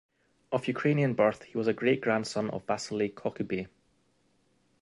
Of Ukrainian birth, he was a great-grandson of Vasily Kochubey.